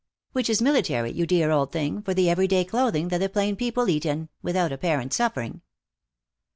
Which is military, you dear old thing, for the everyday clothing that the plain people eat in, without apparent suffering!"